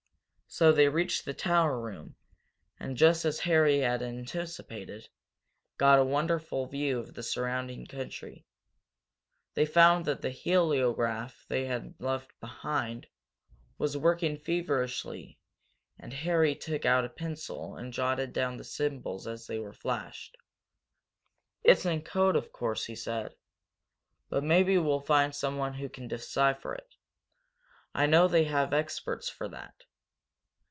So they reached the tower room, and, just as Harry had anticipated, got a wonderful view of the surrounding country. They found that the heliograph they had left behind was working feverishly and Harry took out a pencil and jotted down the symbols as they were flashed. "It's in code, of course," he said, "but maybe we'll find someone who can decipher it I know they have experts for that.